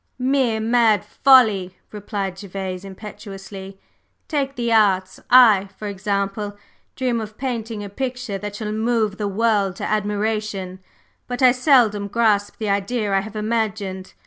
"Mere mad folly!" replied Gervase impetuously. "Take the Arts. I, for example, dream of painting a picture that shall move the world to admiration, but I seldom grasp the idea I have imagined.